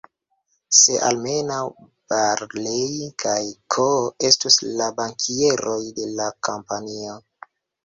Se almenaŭ Barlei kaj K-o estus la bankieroj de la Kompanio!